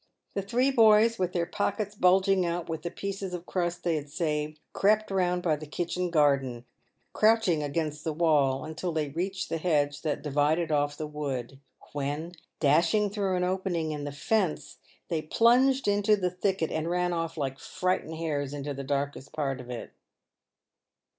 The three boys, with their pockets bulging out with the pieces of crust they had saved, crept round by the kitchen garden, crouching against the wall, until they reached the hedge that divided oft the wood ; when, dashing through an opening in the fence, they plunged into the thicket, and ran off like frightened hares into the darkest part of it.